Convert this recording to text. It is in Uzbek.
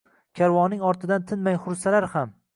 Karvoning ortidan tinmay xursalar ham!